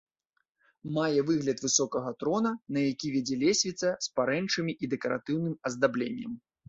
Мае выгляд высокага трона, на які вядзе лесвіца з парэнчамі і дэкаратыўным аздабленнем.